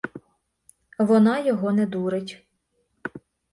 Вона його не дурить.